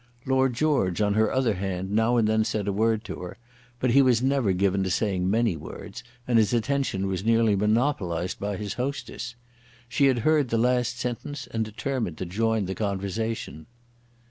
Lord George, on her other hand, now and then said a word to her; but he was never given to saying many words, and his attention was nearly monopolised by his hostess. She had heard the last sentence, and determined to join the conversation.